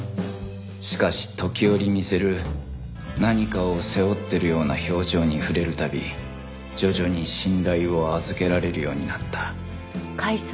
しかし時折見せる何かを背負っているような表情に触れる度徐々に信頼を預けられるようになった